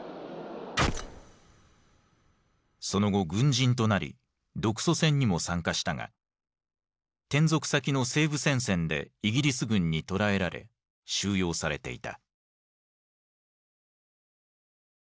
その後軍人となり独ソ戦にも参加したが転属先の西部戦線でイギリス軍に捕らえられ収容されていた。